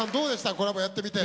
コラボやってみて。